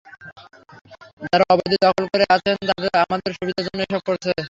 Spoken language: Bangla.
যারা অবৈধ দখল করে আছেন, আপনাদের সুবিধার জন্য এসব করা হচ্ছে।